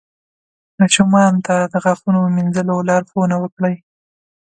ماشومانو ته د غاښونو مینځلو لارښوونه وکړئ.